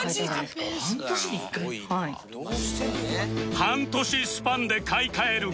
半年スパンで買い替える車